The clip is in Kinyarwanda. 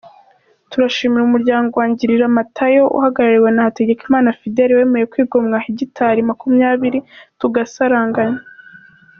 Turashimira umuryango wa Ngirira Matayo uhagarariwe na Hategekimana Fidele wemeye kwigomwa hegitari makumyabiri tugasaranganya.